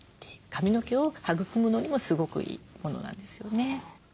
髪の毛を育むのにもすごくいいものなんですよね。